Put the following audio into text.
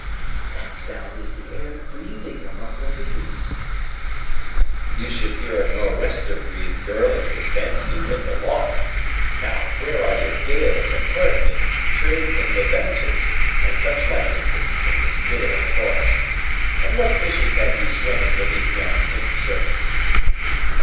that sound is the air breathing among the leaves!" "You should hear a nor wester breathe, girl, if you fancy wind aloft. Now, where are your gales, and hurricanes, and trades, and levanters, and such like incidents, in this bit of a forest? And what fishes have you swimming beneath yonder tame surface?"